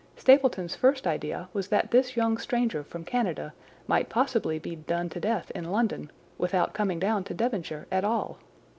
Stapleton's first idea was that this young stranger from Canada might possibly be done to death in London without coming down to Devonshire at all.